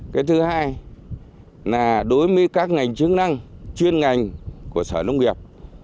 cái thứ hai là đối với các ngành chức năng chuyên ngành của sở nông nghiệp